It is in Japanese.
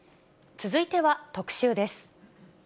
続いては特集です。